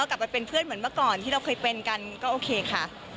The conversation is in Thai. กลับไปเป็นเพื่อนเหมือนเมื่อก่อนที่เราเคยเป็นกันก็โอเคค่ะ